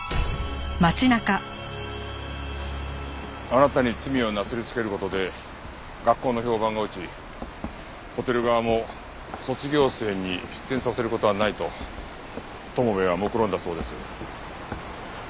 あなたに罪をなすりつける事で学校の評判が落ちホテル側も卒業生に出店させる事はないと友部はもくろんだそうです。